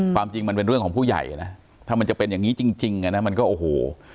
ความจริงมันเป็นเรื่องของผู้ใหญ่นะถ้ามันจะเป็นอย่างนี้จริงอ่ะนะมันก็โอ้โห